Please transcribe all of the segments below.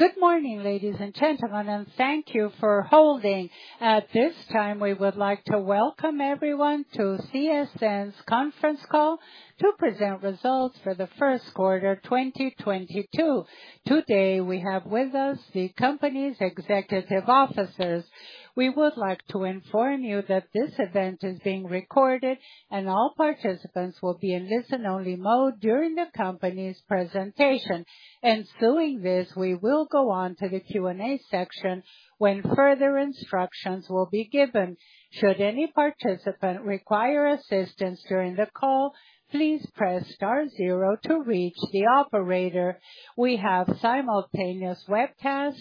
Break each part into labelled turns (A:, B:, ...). A: Good morning, ladies and gentlemen, and thank you for holding. At this time, we would like to welcome everyone to CSN's conference call to present results for the first quarter 2022. Today, we have with us the company's executive officers. We would like to inform you that this event is being recorded, and all participants will be in listen-only mode during the company's presentation. Ensuing this, we will go on to the Q&A section when further instructions will be given. Should any participant require assistance during the call, please press star zero to reach the operator. We have simultaneous webcast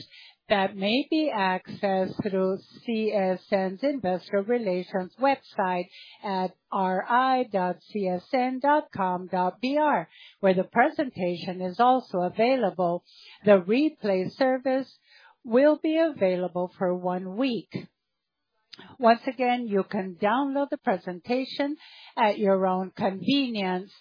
A: that may be accessed through CSN's investor relations website at ri.csn.com.br, where the presentation is also available. The replay service will be available for one week. Once again, you can download the presentation at your own convenience.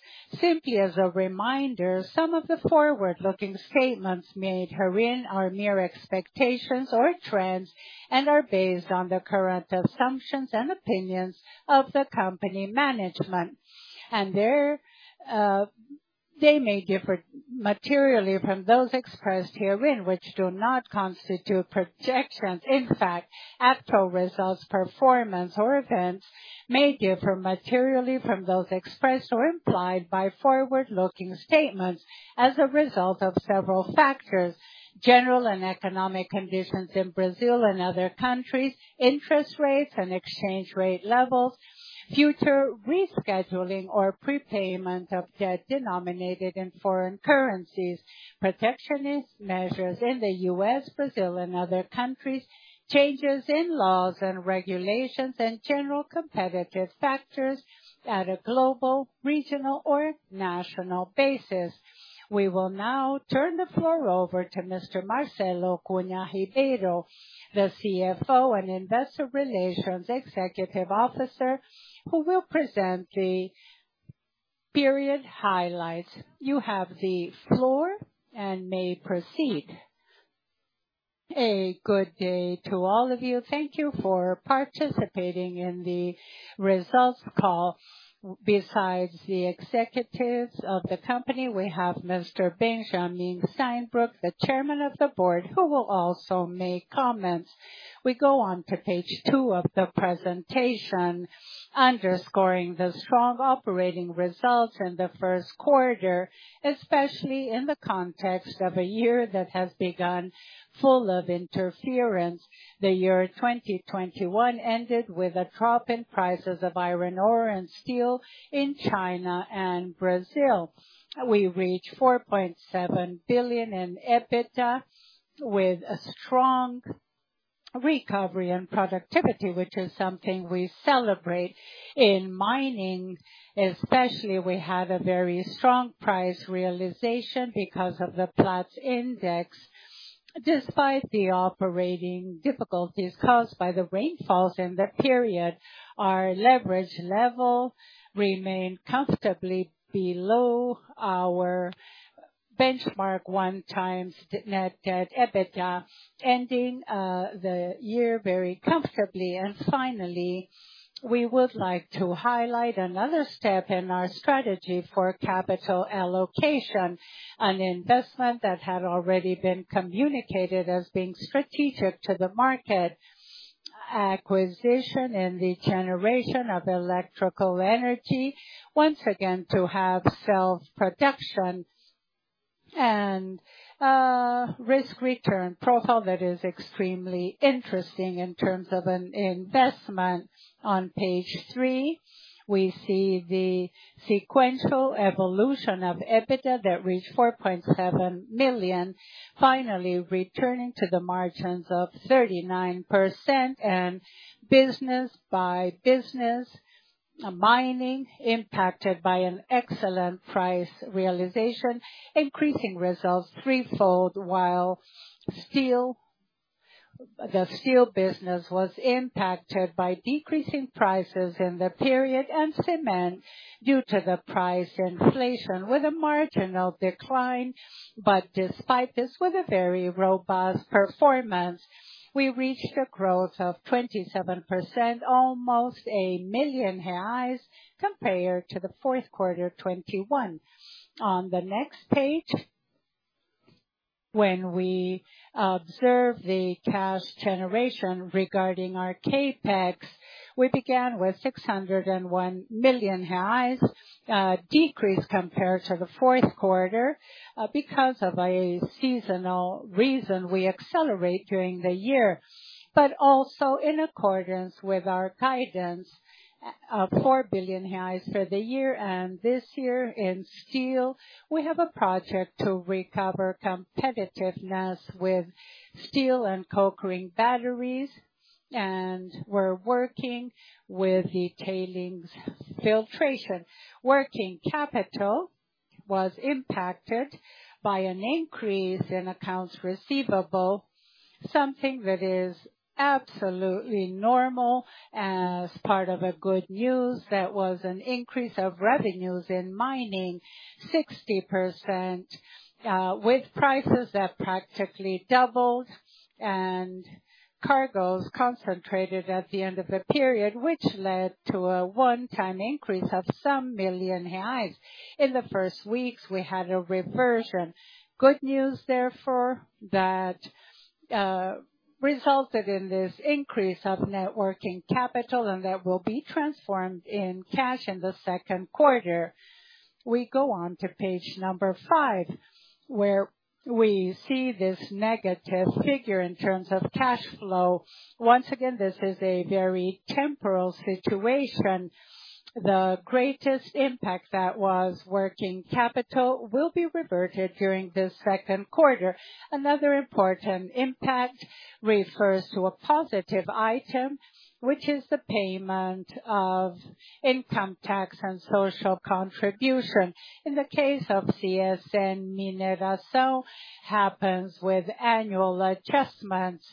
A: Simply as a reminder, some of the forward-looking statements made herein are mere expectations or trends and are based on the current assumptions and opinions of the company management. They're they may differ materially from those expressed herein, which do not constitute projections. In fact, actual results, performance, or events may differ materially from those expressed or implied by forward-looking statements as a result of several factors, general and economic conditions in Brazil and other countries, interest rates and exchange rate levels, future rescheduling or prepayment of debt denominated in foreign currencies, protectionist measures in the U.S., Brazil, and other countries, changes in laws and regulations, and general competitive factors at a global, regional, or national basis. We will now turn the floor over to Mr. Marcelo Cunha Ribeiro, the CFO and Investor Relations Executive Officer, who will present the period highlights. You have the floor and may proceed. A good day to all of you. Thank you for participating in the results call. Besides the executives of the company, we have Mr. Benjamin Steinbruch, the Chairman of the Board, who will also make comments. We go on to page two of the presentation, underscoring the strong operating results in the first quarter, especially in the context of a year that has begun full of interference. The year 2021 ended with a drop in prices of iron ore and steel in China and Brazil. We reached 4.7 billion in EBITDA with a strong recovery in productivity, which is something we celebrate in mining especially. We have a very strong price realization because of the Platts index.
B: Despite the operating difficulties caused by the rainfalls in the period, our leverage level remained comfortably below our benchmark 1x net debt EBITDA, ending the year very comfortably. Finally, we would like to highlight another step in our strategy for capital allocation, an investment that had already been communicated as being strategic to the market. Acquisition in the generation of electrical energy, once again, to have self-production and risk return profile that is extremely interesting in terms of an investment. On page three, we see the sequential evolution of EBITDA that reached 4.7 million, finally returning to the margins of 39%. Business by business, mining impacted by an excellent price realization, increasing results threefold, while the steel business was impacted by decreasing prices in the period, and cement, due to the price inflation, with a marginal decline. Despite this, with a very robust performance, we reached a growth of 27%, almost 1 million reais compared to the fourth quarter 2021. On the next page, when we observe the cash generation regarding our CapEx, we began with 601 million decrease compared to the fourth quarter. Because of a seasonal reason, we accelerate during the year, but also in accordance with our guidance of 4 billion reais for the year. This year, in steel, we have a project to recover competitiveness with steel and coke battery, and we're working with the tailings filtration. Working capital was impacted by an increase in accounts receivable, something that is absolutely normal. As part of good news, there was an increase of revenues in mining. 60%, with prices that practically doubled and cargos concentrated at the end of the period, which led to a one-time increase of some million BRL. In the first weeks, we had a reversion. Good news, therefore, that resulted in this increase of net working capital and that will be transformed in cash in the second quarter. We go on to page five, where we see this negative figure in terms of cash flow. Once again, this is a very temporary situation. The greatest impact that was working capital will be reverted during the second quarter. Another important impact refers to a positive item, which is the payment of income tax and social contribution. In the case of CSN Mineração happens with annual adjustments.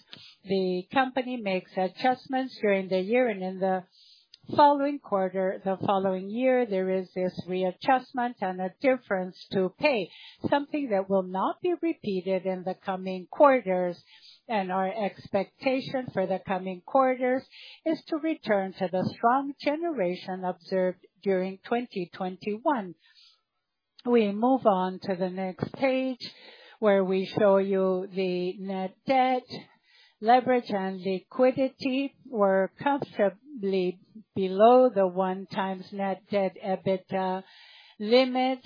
B: The company makes adjustments during the year and in the following year, there is this readjustment and a difference to pay. Something that will not be repeated in the coming quarters. Our expectation for the coming quarters is to return to the strong generation observed during 2021. We move on to the next page, where we show you the net debt. Leverage and liquidity were comfortably below the 1x net debt EBITDA limit.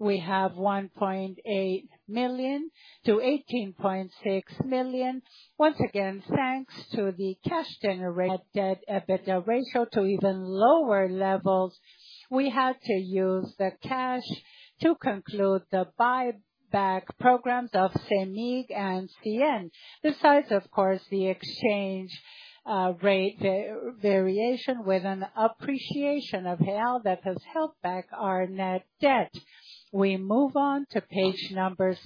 B: We have 1.8 million-18.6 million. Once again, thanks to the cash generated EBITDA ratio to even lower levels, we had to use the cash to conclude the buyback programs of CMIN and CSN. Besides, of course, the exchange rate variation with an appreciation of real that has held back our net debt. We move on to page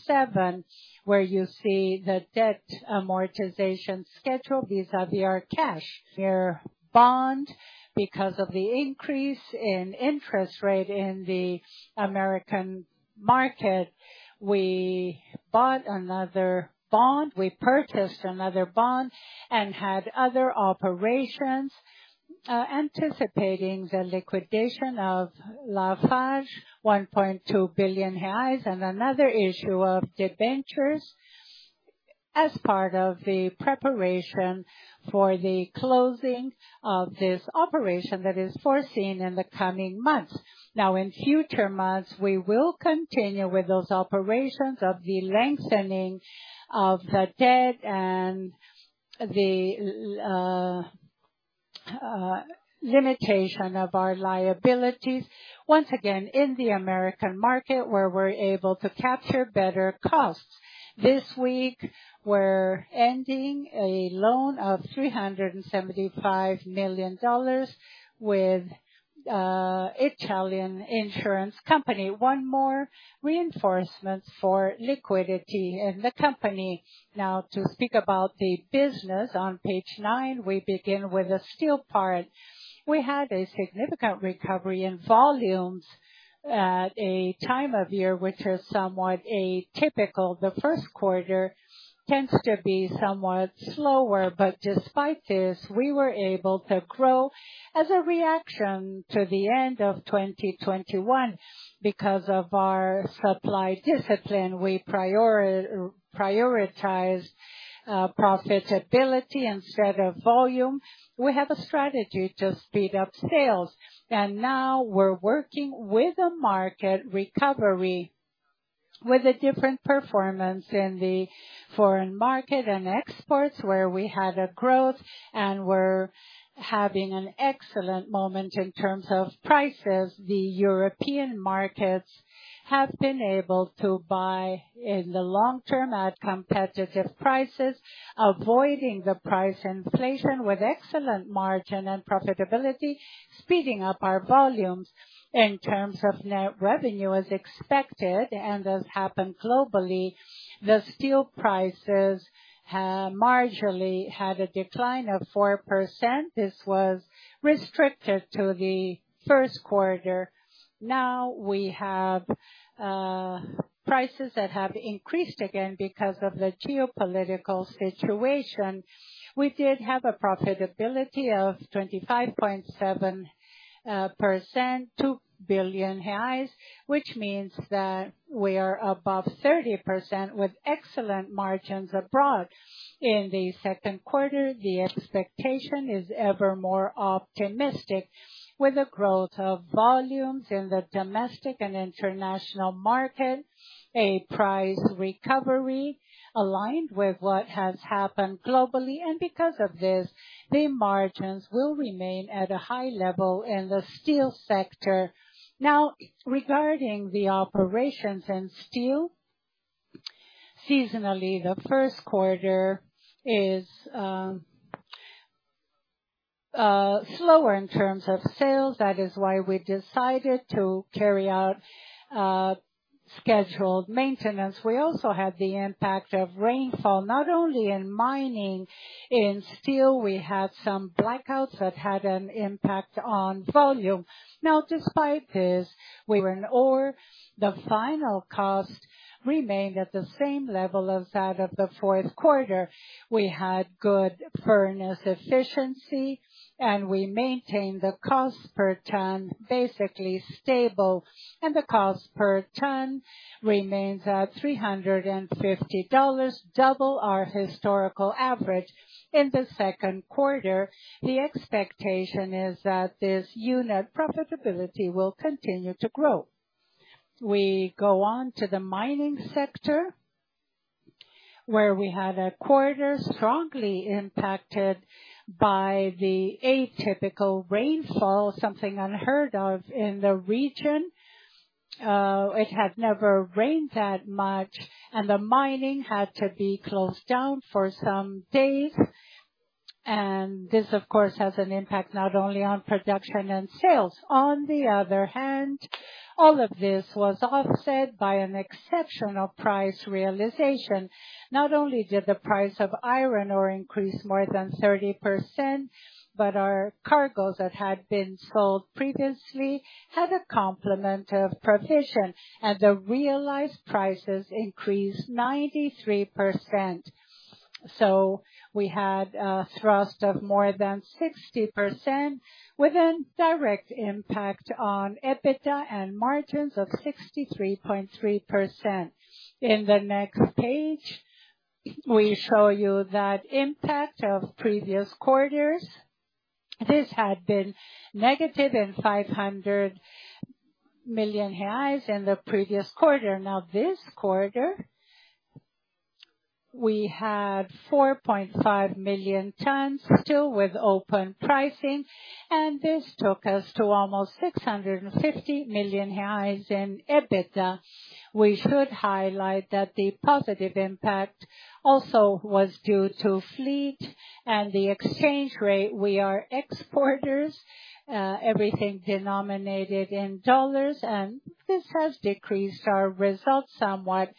B: seven, where you see the debt amortization schedule vis-a-vis our cash. Eurobond, because of the increase in interest rate in the American market, we bought another bond. We purchased another bond and had other operations, anticipating the liquidation of Lafarge, 1.2 billion reais, and another issue of debentures as part of the preparation for the closing of this operation that is foreseen in the coming months. Now, in future months, we will continue with those operations of the lengthening of the debt and the limitation of our liabilities. Once again, in the American market, where we're able to capture better costs. This week, we're ending a loan of $375 million with Italian insurance company. One more reinforcement for liquidity in the company. Now to speak about the business. On page nine, we begin with the steel part. We had a significant recovery in volumes at a time of year which is somewhat atypical. The first quarter tends to be somewhat slower, but despite this, we were able to grow as a reaction to the end of 2021. Because of our supply discipline, we prioritize profitability instead of volume. We have a strategy to speed up sales, and now we're working with the market recovery with a different performance in the foreign market and exports, where we had a growth and we're having an excellent moment in terms of prices. The European markets have been able to buy in the long term at competitive prices, avoiding the price inflation with excellent margin and profitability, speeding up our volumes. In terms of net revenue, as expected, and this happened globally, the steel prices have marginally had a decline of 4%. This was restricted to the first quarter. Now we have prices that have increased again because of the geopolitical situation. We did have a profitability of 25.7%, 2 billion reais, which means that we are above 30% with excellent margins abroad. In the second quarter, the expectation is ever more optimistic, with a growth of volumes in the domestic and international market, a price recovery aligned with what has happened globally. Because of this, the margins will remain at a high level in the steel sector. Now, regarding the operations in steel, seasonally, the first quarter is slower in terms of sales. That is why we decided to carry out scheduled maintenance. We also had the impact of rainfall, not only in mining. In steel, we had some blackouts that had an impact on volume. Now despite this, we were in line. The final cost remained at the same level as that of the fourth quarter. We had good furnace efficiency, and we maintained the cost per ton basically stable, and the cost per ton remains at $350, double our historical average. In the second quarter, the expectation is that this unit profitability will continue to grow. We go on to the mining sector, where we had a quarter strongly impacted by the atypical rainfall, something unheard of in the region. It had never rained that much, and the mining had to be closed down for some days. This, of course, has an impact not only on production and sales. On the other hand, all of this was offset by an exceptional price realization. Not only did the price of iron ore increase more than 30%, but our cargoes that had been sold previously had a complement of provision, and the realized prices increased 93%. We had a thrust of more than 60% with a direct impact on EBITDA and margins of 63.3%. In the next page, we show you that impact of previous quarters. This had been negative in 500 million reais in the previous quarter. Now this quarter, we had 4.5 million tons still with open pricing, and this took us to almost 650 million reais in EBITDA. We should highlight that the positive impact also was due to fleet and the exchange rate. We are exporters, everything denominated in dollars, and this has decreased our results somewhat.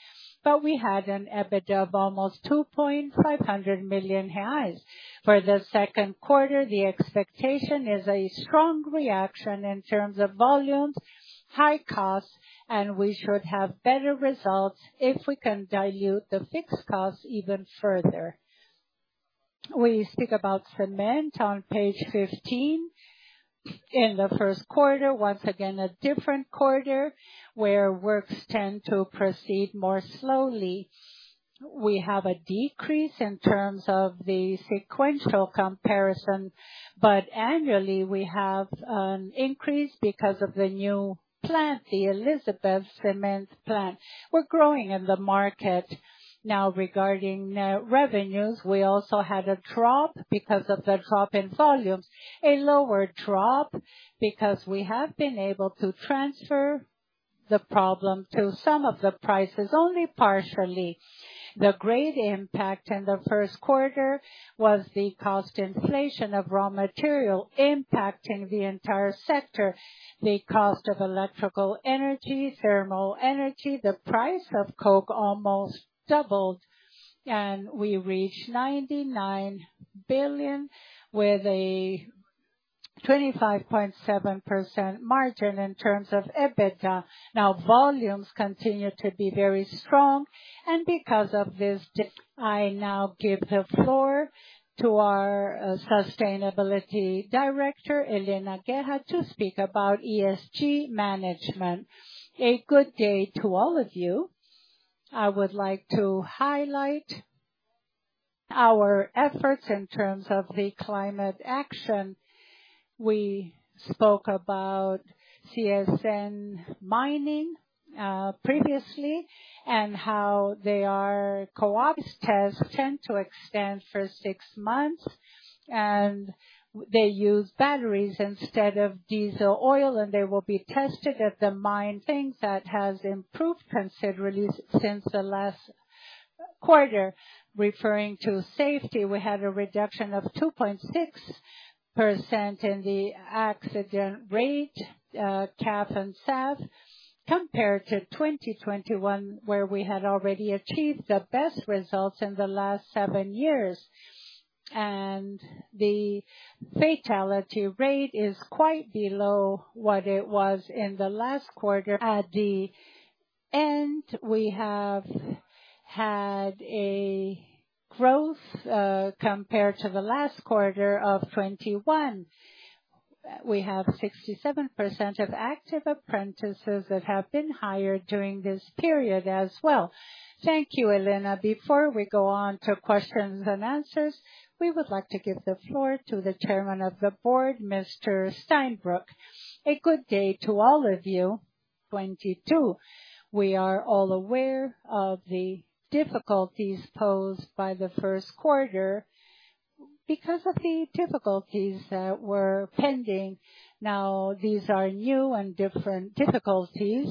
B: We had an EBITDA of almost 250 million reais. For the second quarter, the expectation is a strong reaction in terms of volumes, high costs, and we should have better results if we can dilute the fixed costs even further. We speak about cement on page 15. In the first quarter, once again a different quarter, where works tend to proceed more slowly. We have a decrease in terms of the sequential comparison, but annually we have an increase because of the new plant, the Elizabeth Cimentos. We're growing in the market. Now regarding revenues, we also had a drop because of the drop in volumes. A lower drop because we have been able to transfer the problem to some of the prices only partially. The great impact in the first quarter was the cost inflation of raw material impacting the entire sector. The cost of electrical energy, thermal energy, the price of coke almost doubled. We reached 99 billion with a 25.7% margin in terms of EBITDA. Now, volumes continue to be very strong, and because of this I now give the floor to our sustainability director, Helena Guerra, to speak about ESG management.
C: A good day to all of you. I would like to highlight our efforts in terms of the climate action. We spoke about CSN Mining previously and how they are co-op's tests tend to extend for six months, and they use batteries instead of diesel oil, and they will be tested at the mine. Things that has improved considerably since the last quarter. Referring to safety, we had a reduction of 2.6% in the accident rate, CAF and SAF, compared to 2021, where we had already achieved the best results in the last seven years. The fatality rate is quite below what it was in the last quarter. At the end, we have had a growth, compared to the last quarter of 2021. We have 67% of active apprentices that have been hired during this period as well.
B: Thank you, Helena. Before we go on to questions and answers, we would like to give the floor to the chairman of the board, Mr. Steinbruch.
D: A good day to all of you. 2022. We are all aware of the difficulties posed by the first quarter because of the difficulties that were pending. Now, these are new and different difficulties.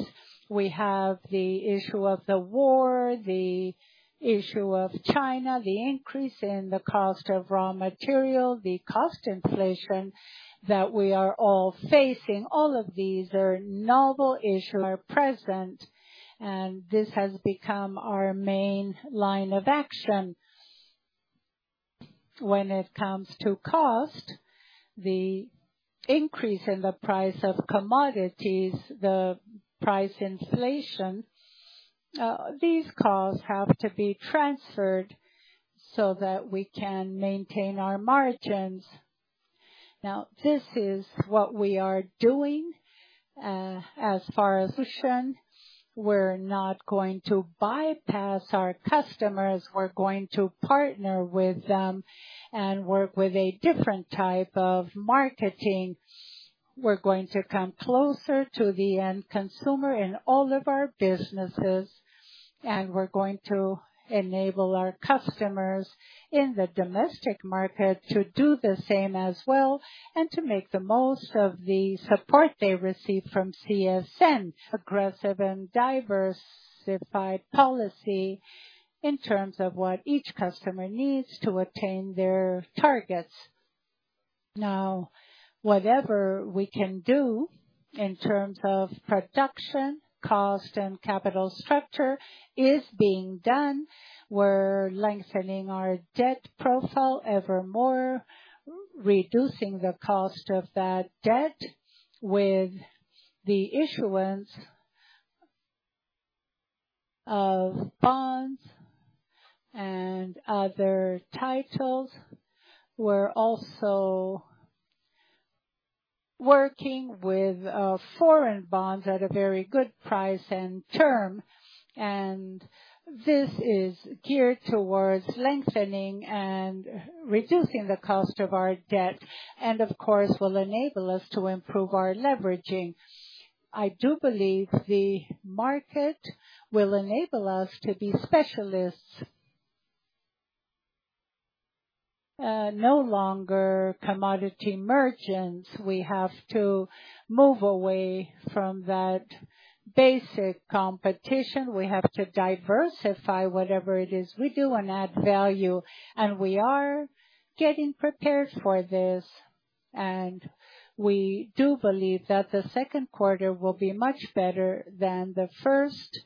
D: We have the issue of the war, the issue of China, the increase in the cost of raw material, the cost inflation that we are all facing. All of these novel issues are present, and this has become our main line of action. When it comes to cost, the increase in the price of commodities, the price inflation, these costs have to be transferred so that we can maintain our margins. Now, this is what we are doing. As far as solution, we're not going to bypass our customers. We're going to partner with them and work with a different type of marketing. We're going to come closer to the end consumer in all of our businesses, and we're going to enable our customers in the domestic market to do the same as well and to make the most of the support they receive from CSN.
B: Aggressive and diversified policy in terms of what each customer needs to attain their targets. Now, whatever we can do in terms of production, cost, and capital structure is being done. We're lengthening our debt profile evermore, reducing the cost of that debt with the issuance of bonds and other titles. We're also working with foreign bonds at a very good price and term, and this is geared towards lengthening and reducing the cost of our debt and, of course, will enable us to improve our leveraging. I do believe the market will enable us to be specialists, no longer commodity merchants. We have to move away from that basic competition. We have to diversify whatever it is we do and add value, and we are getting prepared for this. We do believe that the second quarter will be much better than the first,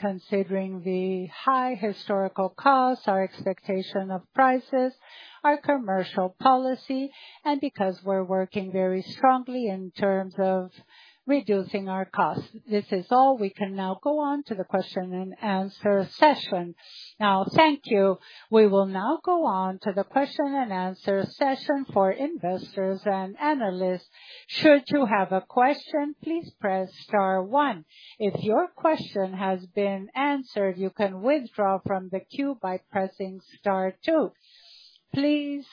B: considering the high historical costs, our expectation of prices, our commercial policy, and because we're working very strongly in terms of reducing our costs. This is all. We can now go on to the question-and-answer session.
A: Now, thank you. We will now go on to the question-and-answer session for investors and analysts. Should you have a question, please press star one. If your question has been answered, you can withdraw from the queue by pressing star two. Please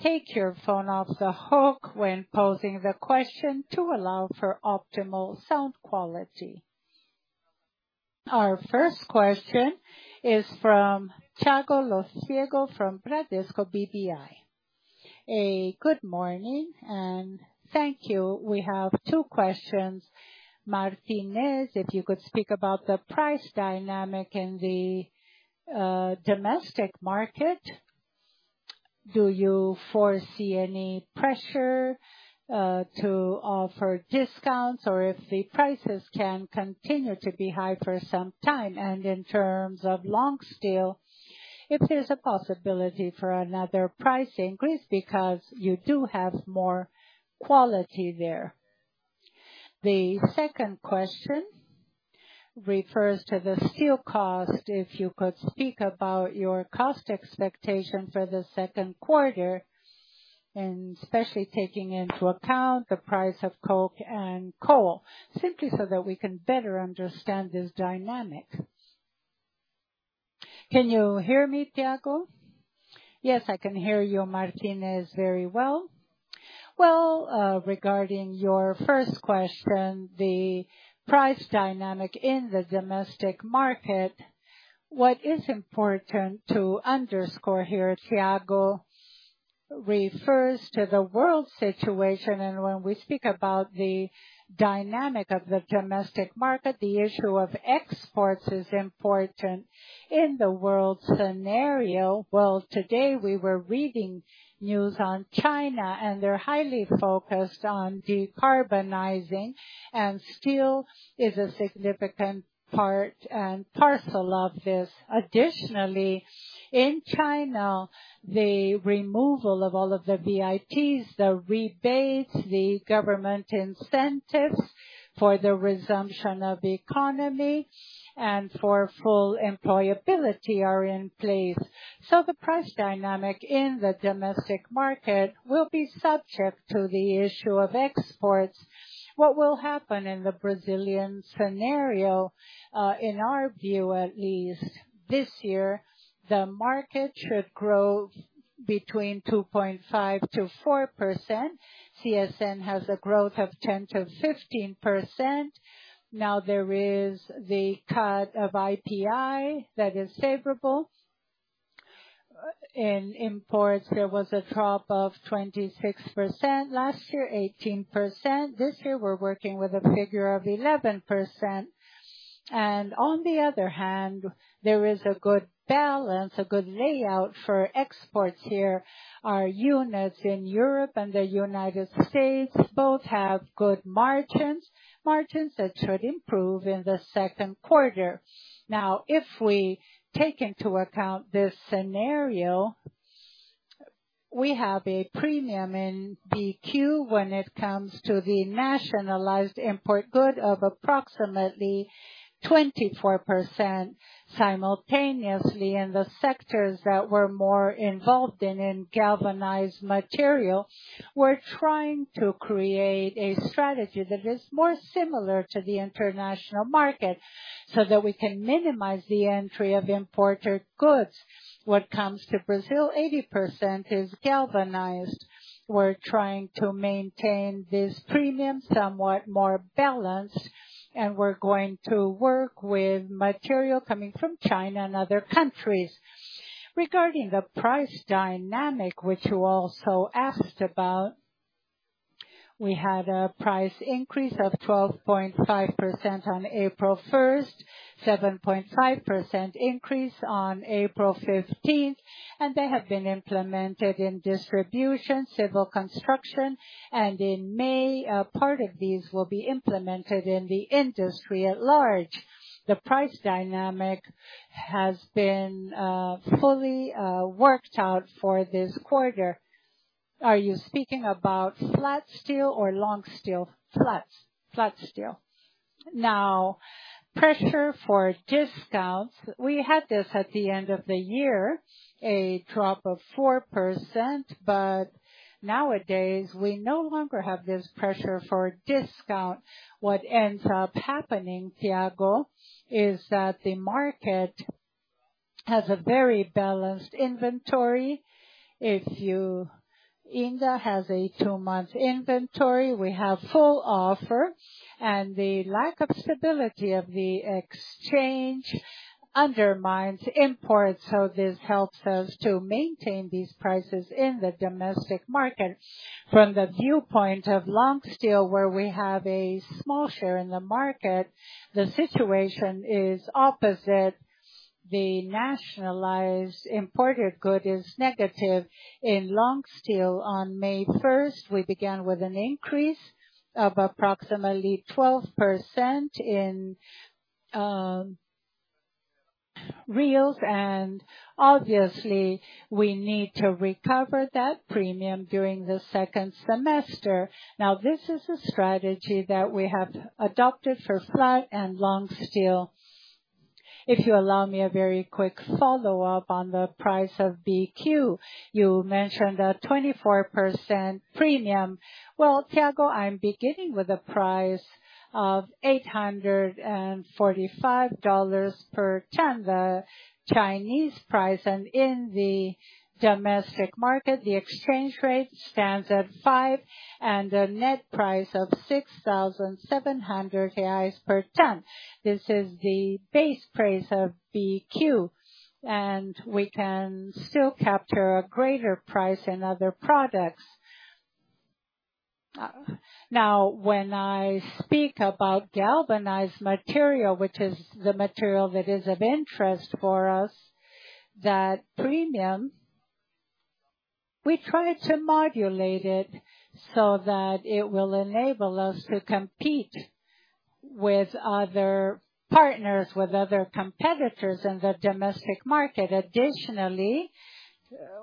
A: take your phone off the hook when posing the question to allow for optimal sound quality. Our first question is from Thiago Lofiego from Bradesco BBI. Good morning and thank you. We have two questions. Martinez, if you could speak about the price dynamic in the domestic market.
E: Do you foresee any pressure to offer discounts or if the prices can continue to be high for some time? In terms of long steel, if there's a possibility for another price increase because you do have more quality there. The second question refers to the steel cost. If you could speak about your cost expectation for the second quarter, and especially taking into account the price of coke and coal, simply so that we can better understand this dynamic.
F: Can you hear me, Thiago?
E: Yes, I can hear you, Martinez, very well.
F: Well, regarding your first question, the price dynamic in the domestic market, what is important to underscore here, Thiago, refers to the world situation. When we speak about the dynamic of the domestic market, the issue of exports is important in the world scenario. Well, today we were reading news on China, and they're highly focused on decarbonizing, and steel is a significant part and parcel of this. Additionally, in China, the removal of all of the VIPs, the rebates, the government incentives for the resumption of economy and for full employability are in place. The price dynamic in the domestic market will be subject to the issue of exports. What will happen in the Brazilian scenario, in our view, at least, this year, the market should grow between 2.5%-4%. CSN has a growth of 10%-15%. Now there is the cut of IPI that is favorable. In imports, there was a drop of 26%. Last year, 18%. This year, we're working with a figure of 11%. On the other hand, there is a good balance, a good layout for exports here. Our units in Europe and the United States both have good margins that should improve in the second quarter. Now, if we take into account this scenario. We have a premium in BQ when it comes to the nationalized import good of approximately 24%. Simultaneously, in the sectors that we're more involved in galvanized material, we're trying to create a strategy that is more similar to the international market so that we can minimize the entry of imported goods. What comes to Brazil, 80% is galvanized. We're trying to maintain this premium somewhat more balanced, and we're going to work with material coming from China and other countries.
B: Regarding the price dynamic, which you also asked about, we had a price increase of 12.5% on April 1st, 7.5% increase on April 15th, and they have been implemented in distribution, civil construction. In May, part of these will be implemented in the industry at large. The price dynamic has been fully worked out for this quarter.
E: Are you speaking about flat steel or long steel?
B: Flat. Flat steel. Now, pressure for discounts. We had this at the end of the year, a drop of 4%, but nowadays we no longer have this pressure for discount. What ends up happening, Thiago, is that the market has a very balanced inventory. INDA has a two-month inventory, we have full offer, and the lack of stability of the exchange undermines imports, so this helps us to maintain these prices in the domestic market. From the viewpoint of long steel, where we have a small share in the market, the situation is opposite. The nationalized imported good is negative. In long steel, on May first, we began with an increase of approximately 12% in reels, and obviously, we need to recover that premium during the second semester. Now, this is a strategy that we have adopted for flat and long steel. If you allow me a very quick follow-up on the price of BQ. You mentioned a 24% premium. Well, Thiago, I'm beginning with a price of $845 per ton, the Chinese price. In the domestic market, the exchange rate stands at 5 and a net price of 6,700 reais per ton. This is the base price of BQ, and we can still capture a greater price in other products. Now, when I speak about galvanized material, which is the material that is of interest for us, that premium, we try to modulate it so that it will enable us to compete with other partners, with other competitors in the domestic market. Additionally,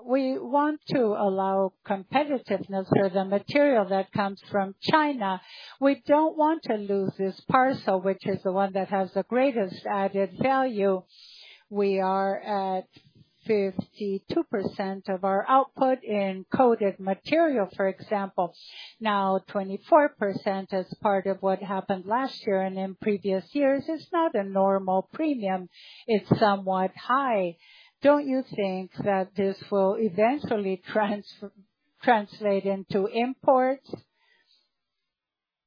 B: we want to allow competitiveness for the material that comes from China. We don't want to lose this parcel, which is the one that has the greatest added value. We are at 52% of our output in coated material, for example. Now, 24% as part of what happened last year and in previous years is not a normal premium. It's somewhat high. Don't you think that this will eventually translate into imports?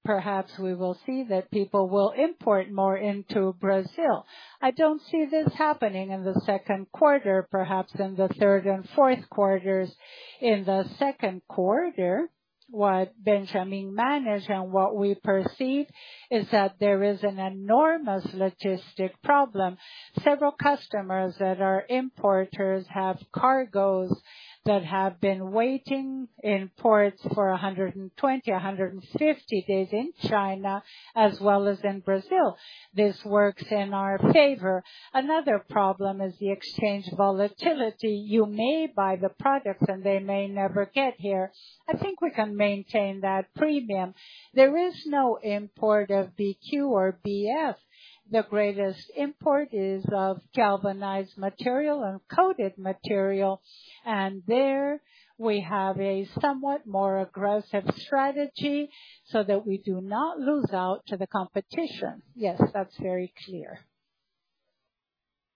B: Perhaps we will see that people will import more into Brazil. I don't see this happening in the second quarter, perhaps in the third and fourth quarters. In the second quarter, what Benjamin managed and what we perceive is that there is an enormous logistics problem. Several customers that are importers have cargoes that have been waiting in ports for 120-150 days in China as well as in Brazil. This works in our favor. Another problem is the exchange volatility. You may buy the products and they may never get here. I think we can maintain that premium. There is no import of BQ or BF. The greatest import is of galvanized material and coated material. There we have a somewhat more aggressive strategy so that we do not lose out to the competition.
E: Yes, that's very clear.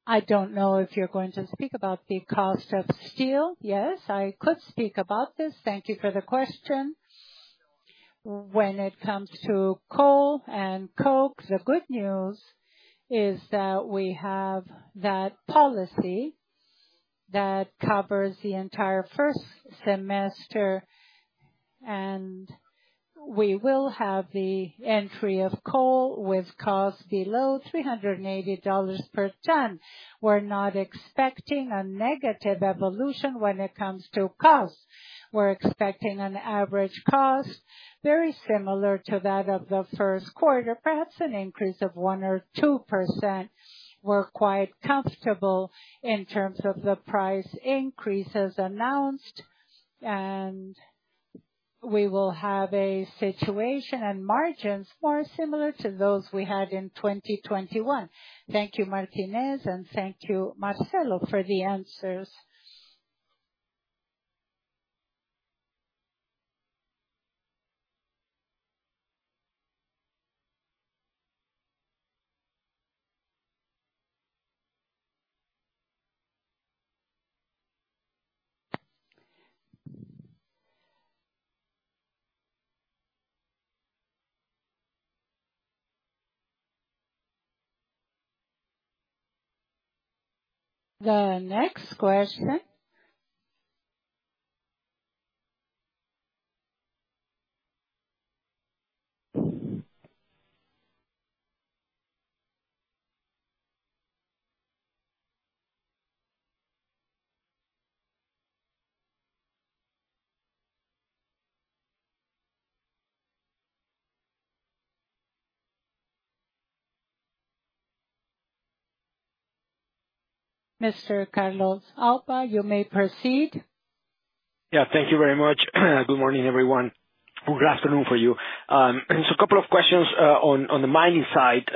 E: I don't know if you're going to speak about the cost of steel.
B: Yes, I could speak about this. Thank you for the question. When it comes to coal and coke, the good news is that we have that policy that covers the entire first semester, and we will have the entry of coal with cost below $380 per ton. We're not expecting a negative evolution when it comes to cost. We're expecting an average cost very similar to that of the first quarter, perhaps an increase of 1% or 2%. We're quite comfortable in terms of the price increases announced, and we will have a situation and margins more similar to those we had in 2021.
E: Thank you, Martinez, and thank you, Marcelo, for the answers.
A: The next question. Mr. Carlos De Alba, you may proceed.
G: Yeah. Thank you very much. Good morning, everyone. Good afternoon for you. Just a couple of questions on the mining side.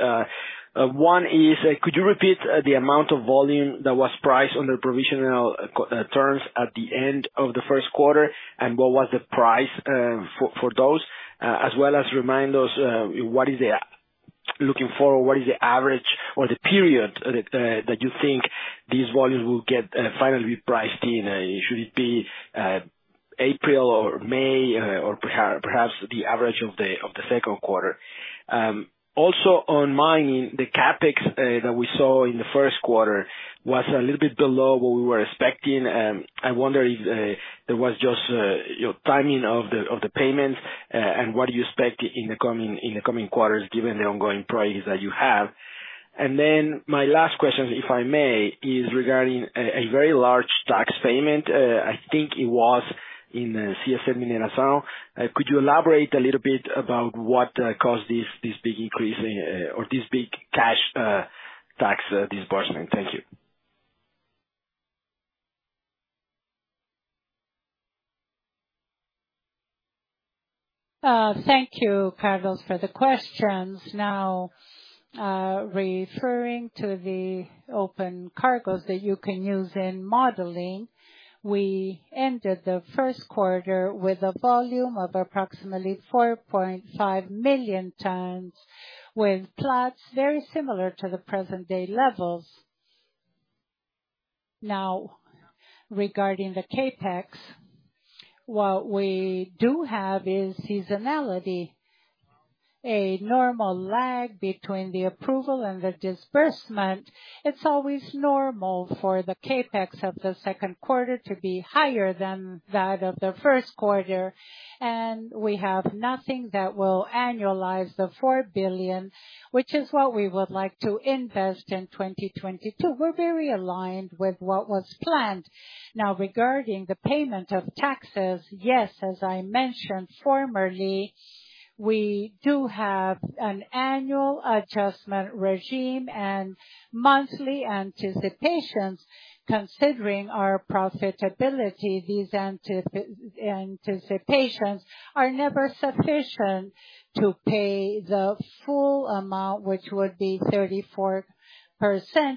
G: One is, could you repeat the amount of volume that was priced under provisional terms at the end of the first quarter, and what was the price for those? As well as remind us, looking forward, what is the average or the period that you think these volumes will get finally priced in? Should it be April or May, or perhaps the average of the second quarter? Also on mining, the CapEx that we saw in the first quarter was a little bit below what we were expecting. I wonder if that was just, you know, timing of the payments and what do you expect in the coming quarters given the ongoing priorities that you have. My last question, if I may, is regarding a very large tax payment. I think it was in CSN Mineração. Could you elaborate a little bit about what caused this big increase or this big cash tax disbursement? Thank you.
B: Thank you, Carlos, for the questions. Now, referring to the open cargoes that you can use in modeling, we ended the first quarter with a volume of approximately 4.5 million tons, with Platts very similar to the present day levels. Now, regarding the CapEx, what we do have is seasonality, a normal lag between the approval and the disbursement. It's always normal for the CapEx of the second quarter to be higher than that of the first quarter, and we have nothing that will annualize the 4 billion, which is what we would like to invest in 2022. We're very aligned with what was planned. Now, regarding the payment of taxes, yes, as I mentioned formerly, we do have an annual adjustment regime and monthly anticipations. Considering our profitability, these anticipations are never sufficient to pay the full amount, which would be 34%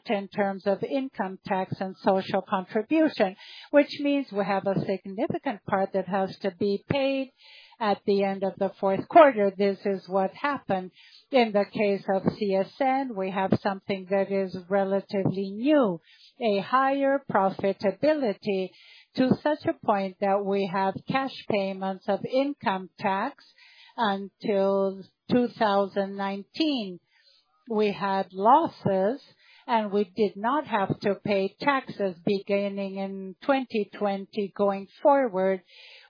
B: in terms of income tax and social contribution, which means we have a significant part that has to be paid at the end of the fourth quarter. This is what happened. In the case of CSN, we have something that is relatively new, a higher profitability to such a point that we have cash payments of income tax. Until 2019, we had losses, and we did not have to pay taxes beginning in 2020 going forward.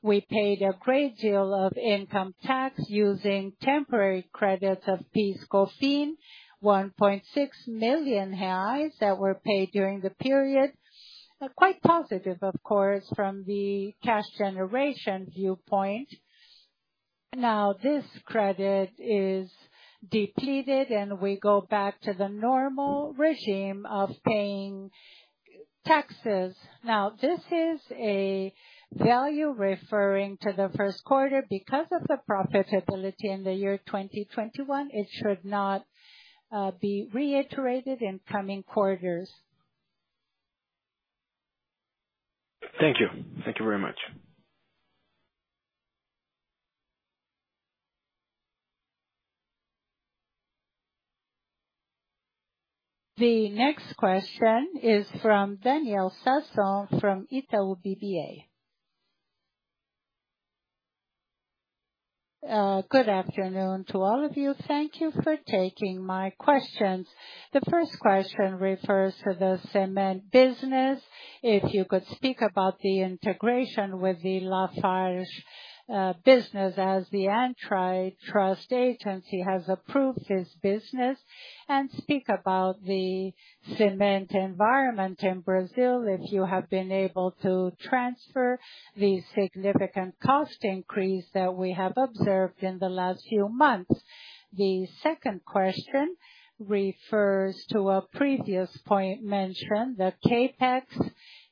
B: We paid a great deal of income tax using temporary credits of PIS/COFINS, 1.6 million reais that were paid during the period. Quite positive, of course, from the cash generation viewpoint. Now this credit is depleted, and we go back to the normal regime of paying taxes. Now, this is a value referring to the first quarter. Because of the profitability in the year 2021, it should not be reiterated in coming quarters.
G: Thank you. Thank you very much.
A: The next question is from Daniel Sasson from Itaú BBA.
H: Good afternoon to all of you. Thank you for taking my questions. The first question refers to the cement business. If you could speak about the integration with the Lafarge business as the Antitrust Agency has approved this business. Speak about the cement environment in Brazil, if you have been able to transfer the significant cost increase that we have observed in the last few months. The second question refers to a previous point mentioned, the CapEx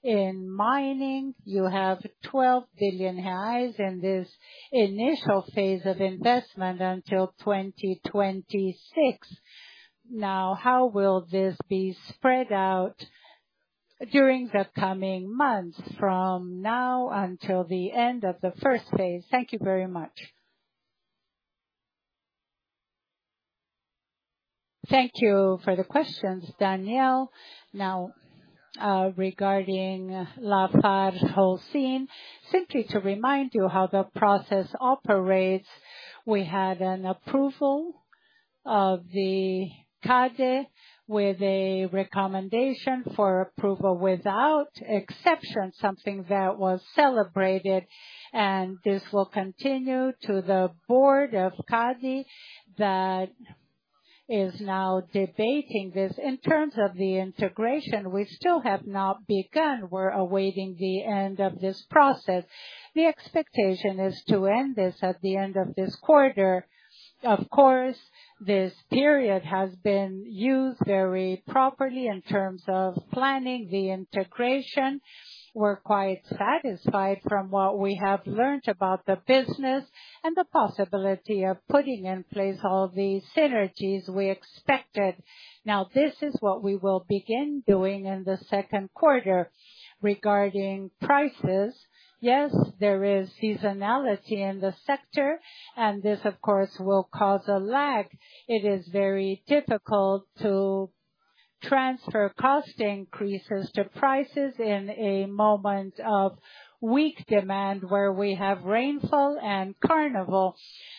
H: in mining. You have 12 billion reais in this initial phase of investment until 2026. Now, how will this be spread out during the coming months from now until the end of the first phase? Thank you very much.
B: Thank you for the questions, Daniel. Now, regarding LafargeHolcim, simply to remind you how the process operates, we had an approval of the CADE with a recommendation for approval without exception, something that was celebrated, and this will continue to the board of CADE that is now debating this. In terms of the integration, we still have not begun. We're awaiting the end of this process. The expectation is to end this at the end of this quarter. Of course, this period has been used very properly in terms of planning the integration. We're quite satisfied from what we have learned about the business and the possibility of putting in place all the synergies we expected. Now, this is what we will begin doing in the second quarter. Regarding prices, yes, there is seasonality in the sector, and this, of course, will cause a lag. It is very difficult to transfer cost increases to prices in a moment of weak demand where we have rainfall and carnival.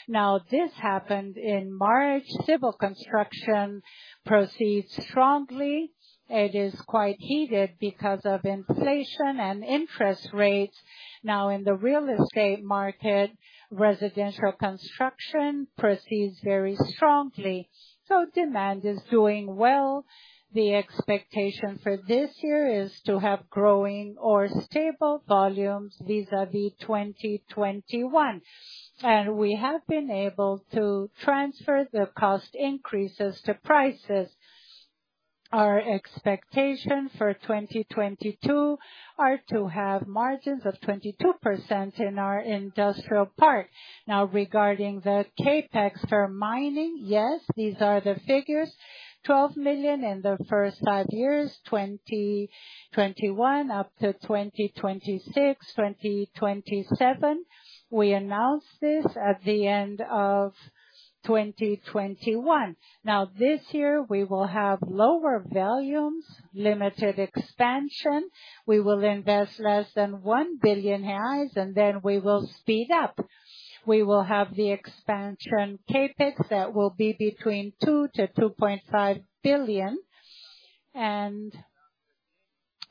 B: Now, this happened in March. Civil construction proceeds strongly. It is quite heated because of inflation and interest rates. Now, in the real estate market, residential construction proceeds very strongly. Demand is doing well. The expectation for this year is to have growing or stable volumes vis-à-vis 2021. We have been able to transfer the cost increases to prices. Our expectations for 2022 are to have margins of 22% in our industrial park. Now, regarding the CapEx for mining, yes, these are the figures, 12 million in the first five years, 2021 up to 2026, 2027. We announced this at the end of 2021. Now, this year we will have lower volumes, limited expansion. We will invest less than 1 billion reais, and then we will speed up. We will have the expansion CapEx that will be between 2 billion and BRL 2.5 billion.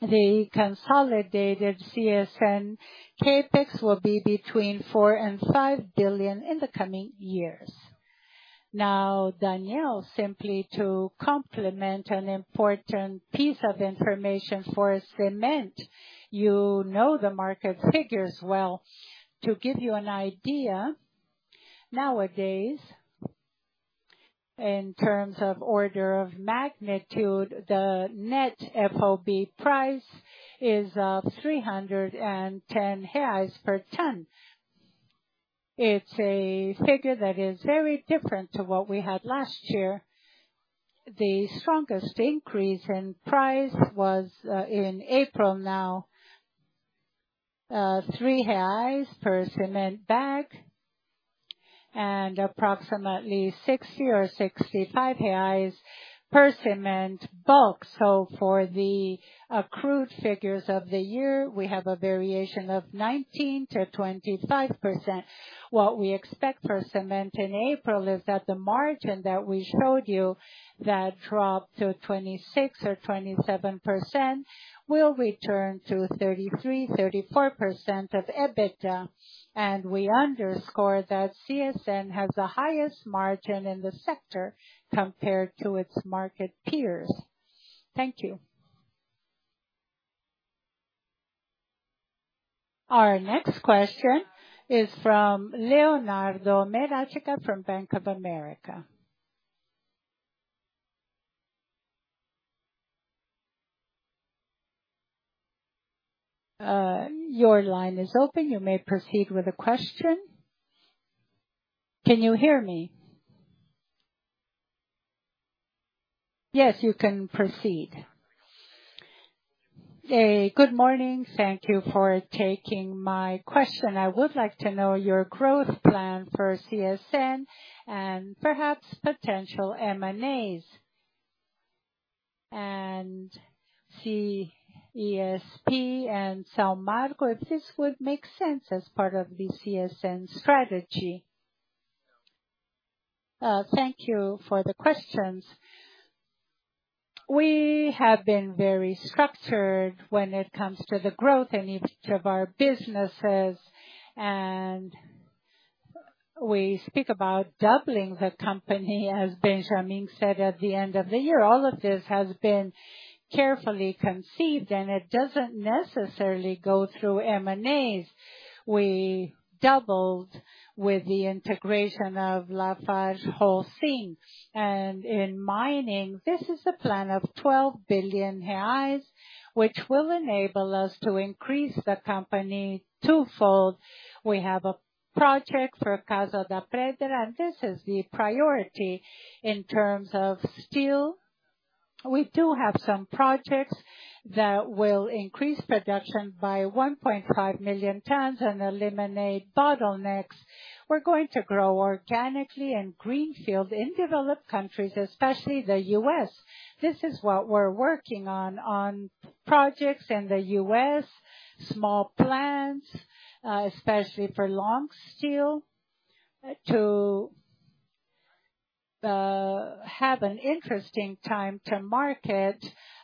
B: The consolidated CSN CapEx will be between 4 billion and 5 billion in the coming years. Now, Daniel, simply to complement an important piece of information for cement, you know the market figures well. To give you an idea, nowadays, in terms of order of magnitude, the net FOB price is three hundred and ten reais per ton. It's a figure that is very different to what we had last year. The strongest increase in price was in April now, three reais per cement bag and approximately sixty or sixty-five reais per cement bulk. For the accrued figures of the year, we have a variation of 19%-25%. What we expect for cement in April is that the margin that we showed you that dropped to 26% or 27% will return to 33%-34% of EBITDA. We underscore that CSN has the highest margin in the sector compared to its market peers.
H: Thank you.
A: Our next question is from Leonardo Marcondes from Bank of America. Your line is open. You may proceed with the question.
I: Can you hear me?
A: Yes, you can proceed.
I: Good morning. Thank you for taking my question. I would like to know your growth plan for CSN and perhaps potential M&As, see ESG and Samarco, if this would make sense as part of the CSN strategy.
B: Thank you for the questions. We have been very structured when it comes to the growth in each of our businesses. We speak about doubling the company, as Benjamin said at the end of the year. All of this has been carefully conceived, and it doesn't necessarily go through M&As. We doubled with the integration of LafargeHolcim. In mining, this is a plan of 12 billion reais, which will enable us to increase the company twofold. We have a project for Casa de Pedra, and this is the priority in terms of steel. We do have some projects that will increase production by 1.5 million tons and eliminate bottlenecks. We're going to grow organically in greenfield, in developed countries, especially the U.S. This is what we're working on projects in the U.S., small plants, especially for long steel, to have an interesting time to market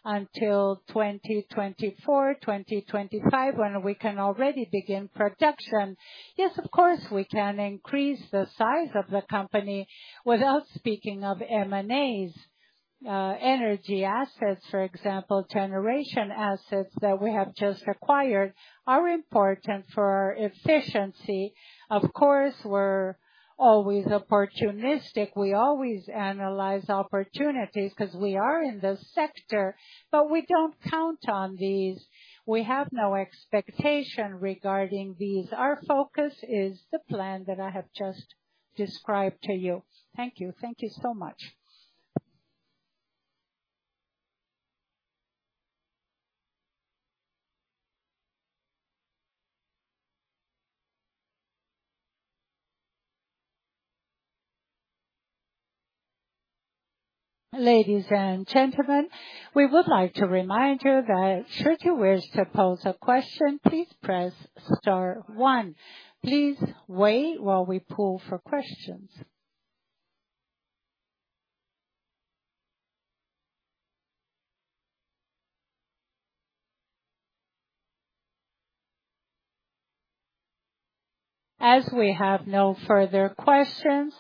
B: until 2024, 2025, when we can already begin production. Yes, of course, we can increase the size of the company without speaking of M&As. Energy assets, for example, generation assets that we have just acquired are important for efficiency. Of course, we're always opportunistic. We always analyze opportunities 'cause we are in the sector, but we don't count on these. We have no expectation regarding these. Our focus is the plan that I have just described to you. Thank you.
I: Thank you so much.
A: Ladies and gentlemen, we would like to remind you that should you wish to pose a question, please press star one. Please wait while we poll for questions. As we have no further questions,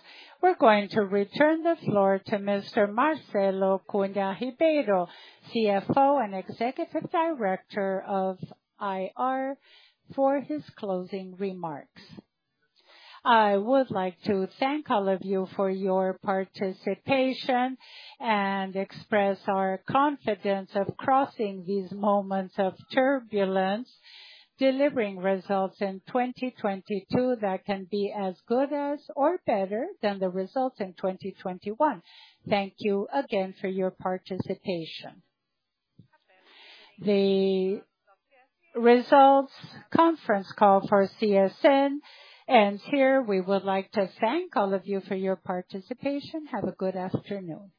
A: we're going to return the floor to Mr. Marcelo Cunha Ribeiro, CFO and Investor Relations Executive Officer, for his closing remarks.
B: I would like to thank all of you for your participation and express our confidence of crossing these moments of turbulence, delivering results in 2022 that can be as good as or better than the results in 2021. Thank you again for your participation. The results conference call for CSN ends here. We would like to thank all of you for your participation. Have a good afternoon.